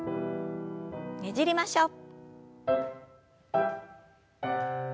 ねじりましょう。